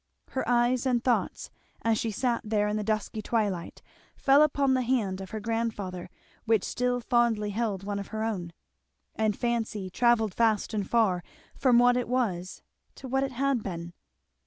Her eye and thoughts, as she sat there in the dusky twilight, fell upon the hand of her grandfather which still fondly held one of her own; and fancy travelled fast and far, from what it was to what it had been.